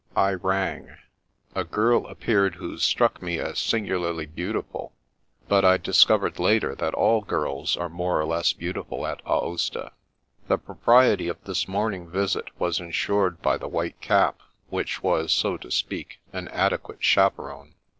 I rang. A girl appeared who struck me as singu larly beautiful, but I discovered later that all girls are more or less beautiful at Aosta. The propriety of this morning visit was insured by the white cap, which was, so to speak, an adequate chaperon.